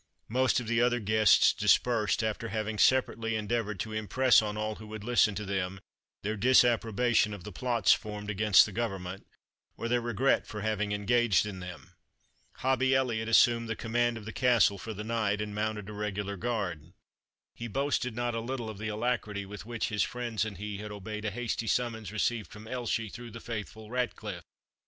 Most of the other guests dispersed, after having separately endeavoured to impress on all who would listen to them their disapprobation of the plots formed against the government, or their regret for having engaged in them. Hobbie Elliot assumed the command of the castle for the night, and mounted a regular guard. He boasted not a little of the alacrity with which his friends and he had obeyed a hasty summons received from Elshie through the faithful Ratcliffe.